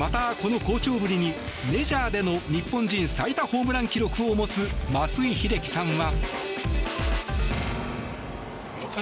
また、この好調ぶりにメジャーでの日本人最多ホームラン記録を持つ松井秀喜さんは。